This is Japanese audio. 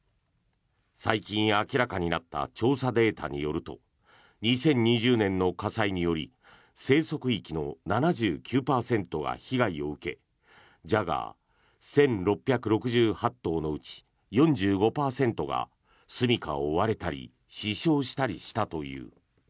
最近明らかになった調査データによると２０２０年の火災により生息域の７９％が被害を受けジャガー１６６８頭のうち４５％がすみかを追われたり死傷したりしたという。